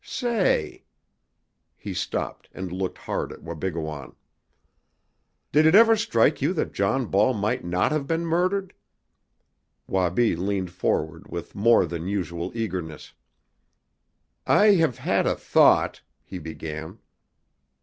Say " He stopped and looked hard at Wabigoon. "Did it ever strike you that John Ball might not have been murdered?" Wabi leaned forward with more than usual eagerness. "I have had a thought " he began.